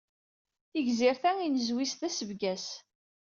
Tigzirt-a inezwi-s d asebgas.